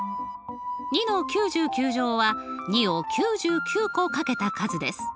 ２の９９乗は２を９９個掛けた数です。